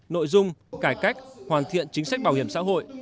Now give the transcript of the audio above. nội dung cải cách hoàn thiện chính sách bảo hiểm xã hội